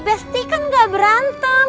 besti kan gak berantem